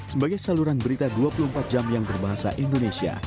sebagai saluran berita dua puluh empat jam yang berbahasa indonesia